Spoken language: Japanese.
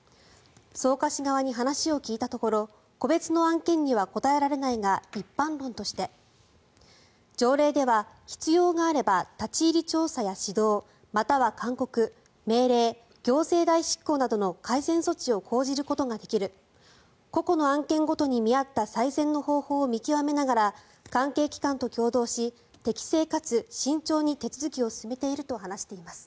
草加市側に話を聞いたところ個別の案件には答えられないが一般論として条例では必要があれば立ち入り調査や指導または勧告、命令、行政代執行などの改善措置を講じることができる個々の案件ごとに見合った最善の方法を見極めながら関係機関と協働し適正かつ慎重に手続きを進めていると話しています。